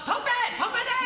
トンペーです！